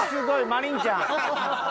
マリンちゃん。